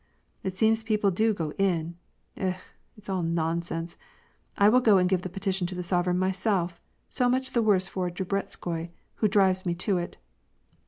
" It seems people do go in ! Eh ! it's all nonsense^ I will go and give the petition to the sovereign myself, — sa much the worse for Drubetskoi, who drives me to it."